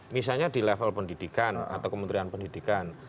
misalnya di level pendidikan atau kementerian pendidikan